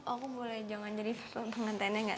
aku boleh jangan jadi pengantinnya enggak